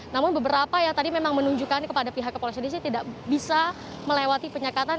namun beberapa yang tadi memang menunjukkan kepada pihak kepolisianis ini tidak bisa melewati penyekatan